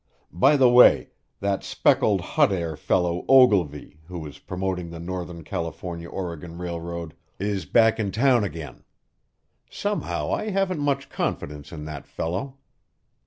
By the way, that speckled hot air fellow Ogilvy, who is promoting the Northern California Oregon Railroad, is back in town again. Somehow, I haven't much confidence in that fellow.